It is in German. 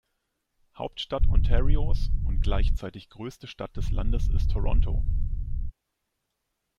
Hauptstadt Ontarios und gleichzeitig größte Stadt des Landes ist Toronto.